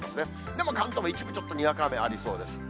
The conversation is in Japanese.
でも関東も一部、ちょっとにわか雨ありそうです。